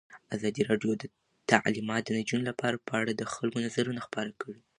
ازادي راډیو د تعلیمات د نجونو لپاره په اړه د خلکو نظرونه خپاره کړي.